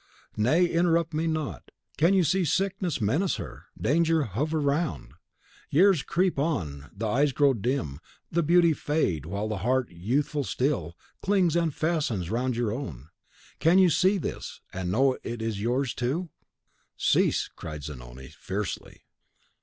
Nay, interrupt me not. Can you see sickness menace her; danger hover around; years creep on; the eyes grow dim; the beauty fade, while the heart, youthful still, clings and fastens round your own, can you see this, and know it is yours to " "Cease!" cried Zanoni, fiercely.